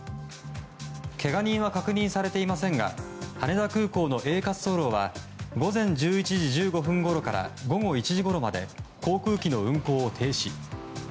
けが人は確認されていませんが羽田空港のＡ滑走路は午前１１時１５分ごろから午後１時ごろまで航空機の運航を停止。